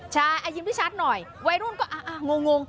ใช่ยืมพี่ชัดหน่อยวัยรุ่นก็อ่ะอ่ะงง